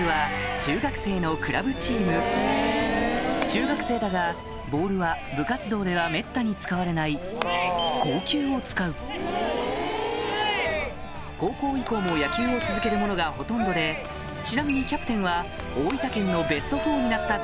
中学生だがボールは部活動ではめったに使われない硬球を使う高校以降も野球を続ける者がほとんどでちなみにキャプテンはでも。